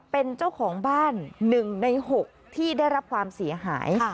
เป็นเจ้าของบ้าน๑ใน๖ที่ได้รับความเสียหาย